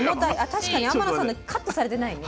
確かに天野さんのカットされてないね。